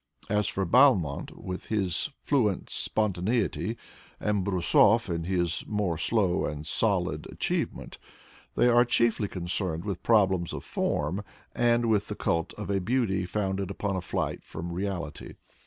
As for Balmont, with his fluent spontaneity, and Brusov, in his more slow and solid achievement, they are chiefly concerned with problems of form and with the cult of a beauty founded upon a flight from reality.